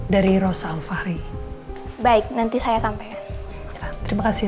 dari rosa al fahri baik nanti saya sampaikan terima kasih